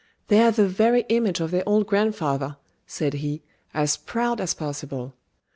"They're the very image of their old grandfather," said he, as proud as possible.